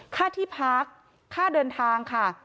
ค่าที่พักค่าเดินทางค่ะ